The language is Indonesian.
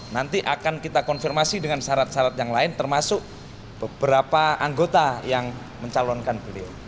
nanti akan kita konfirmasi dengan syarat syarat yang lain termasuk beberapa anggota yang mencalonkan beliau